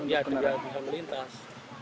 ya tidak bisa melintas